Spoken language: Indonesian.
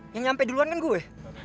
yang nyampe duluan kan gue